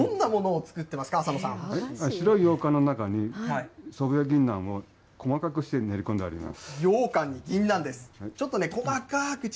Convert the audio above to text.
どんなものを作ってますか、浅野白いようかんの中に、祖父江ぎんなんを細かくして練り込んであります。